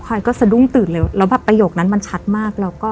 อยก็สะดุ้งตื่นเลยแล้วแบบประโยคนั้นมันชัดมากแล้วก็